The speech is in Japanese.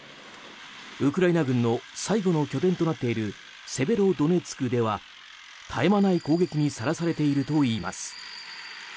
ウクライナ軍の最後の拠点となっているセベロドネツクでは絶え間ない攻撃にさらされているといいます。